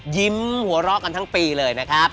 ยิ้มหัวรอกันทั้งปีเลยนะครับ